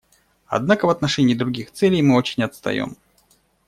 Однако в отношении других целей мы очень отстаем.